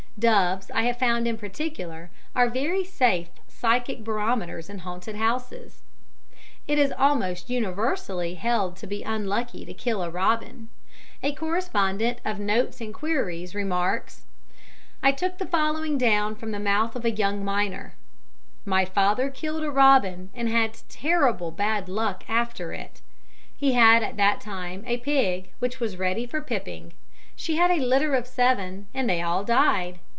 Doves, I have found in particular, are very safe psychic barometers in haunted houses. It is almost universally held to be unlucky to kill a robin. A correspondent of Notes and Queries (Fourth Series, vol. viii, p. 505) remarks: "I took the following down from the mouth of a young miner: "'My father killed a robin and had terrible bad luck after it. He had at that time a pig which was ready for pipping; she had a litter of seven, and they all died.